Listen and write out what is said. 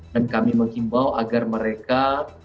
dan kami mengimbau agar mereka